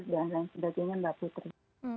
dan lain sebagainya mbak putri